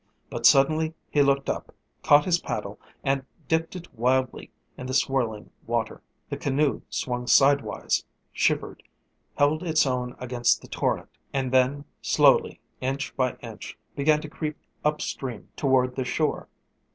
But suddenly he looked up, caught his paddle, and dipped it wildly in the swirling water. The canoe swung sidewise, shivered, held its own against the torrent, and then slowly, inch by inch, began to creep upstream toward the shore.